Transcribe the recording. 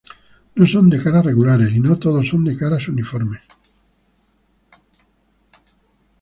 No son de caras regulares y no todos son de caras uniformes.